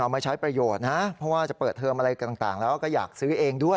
ไม่ใช้ประโยชน์นะเพราะว่าจะเปิดเทอมอะไรต่างแล้วก็อยากซื้อเองด้วย